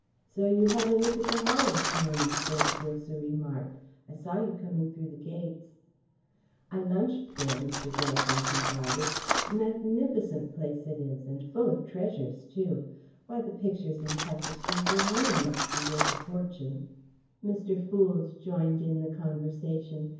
"So you had a look at the Hall this morning, sir," the grocer remarked. "I saw you coming through the gates." "I lunched there," Mr. Johnson confided. "A magnificent place it is, and full of treasures, too! Why, the pictures and tapestries alone must be worth a fortune." Mr. Foulds joined in the conversation.